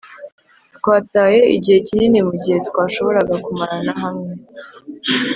Twataye igihe kinini mugihe twashoboraga kumarana hamwe